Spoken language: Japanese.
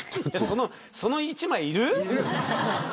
その一枚、いる。